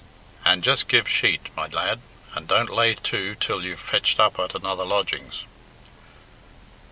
And just give sheet, my lad, and don't lay to till you've fetched up at another lodgings."